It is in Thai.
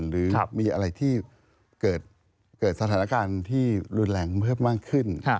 หรือมีอะไรที่เกิดสถานการณ์ที่รุนแรงเพิ่มมากขึ้น